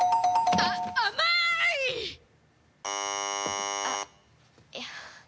あっいや。